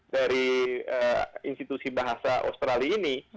dari institusi bahasa australia